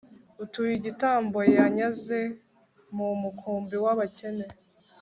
utuye igitambo yanyaze mu mukumbi w'abakene